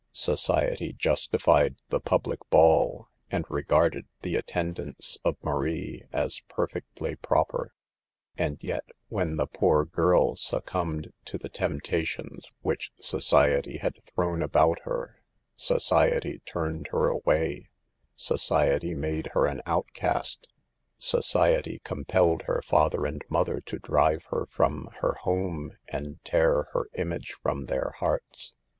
Society justified the public ball, and regarded the attendance of Marie as per fectly proper. And yet, when the poor girl succumbed to the temptations which society had thrown about her, society^ turned her away, society made her an outcast, society compelled her father and mother to drive her from her home and tear her image from their hearts.